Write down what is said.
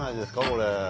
これ。